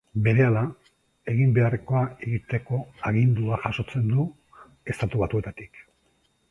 Berehala, egin beharrekoa egiteko agindua jasotzen du Estatu Batuetatik.